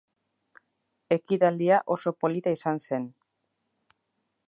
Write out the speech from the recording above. Ekitaldia oso polita izan zen.